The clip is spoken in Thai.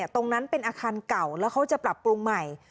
ตรงนั้นเป็นอาคารเก่าแล้วเขาจะปรับปรุงใหม่